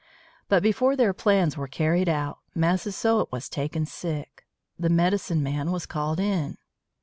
But before their plans were carried out Massasoit was taken sick. The medicine man was called in.